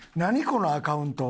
このアカウント。